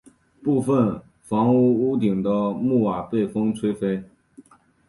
部分房屋屋顶的木瓦被风吹飞。